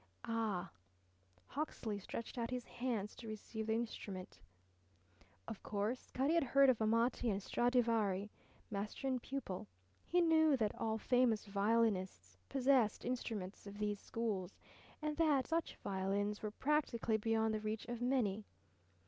"Ah!" Hawksley stretched out his hands to receive the instrument. Of course Cutty had heard of Amati and Stradivari, master and pupil. He knew that all famous violinists possessed instruments of these schools, and that such violins were practically beyond the reach of many.